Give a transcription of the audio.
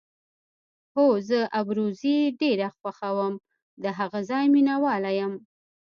هو، زه ابروزي ډېره خوښوم او د هغه ځای مینه وال یم.